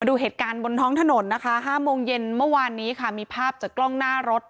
ดูเหตุการณ์บนท้องถนนนะคะ๕โมงเย็นเมื่อวานนี้ค่ะมีภาพจากกล้องหน้ารถ